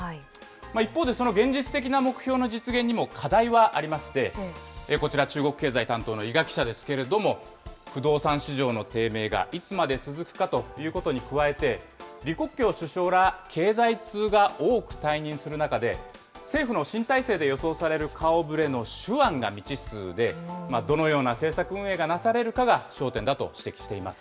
一方でその現実的な目標の実現にも課題はありまして、こちら、中国経済担当の伊賀記者ですけれども、不動産市場の低迷がいつまで続くかということに加えて、李克強首相ら、経済通が多く退任する中で、政府の新体制で予想される顔ぶれの手腕が未知数で、どのような政策運営がなされるかが焦点だと指摘しています。